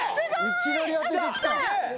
いきなり当ててきた。